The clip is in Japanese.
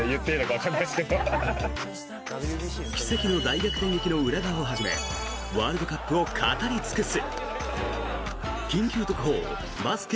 奇跡の大逆転劇の裏側をはじめワールドカップを語り尽くす！